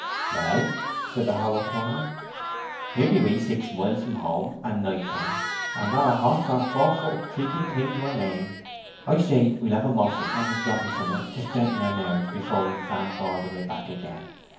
"Well," said the hollow turner, "here be we six mile from home, and night time, and not a hoss or four footed creeping thing to our name. I say, we'll have a mossel and a drop o' summat to strengthen our nerves afore we vamp all the way back again?